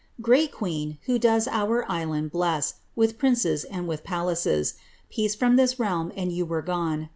Great queen, who does our island bless With princes and with palnccii, Peace from lliis realm and yuu were gone.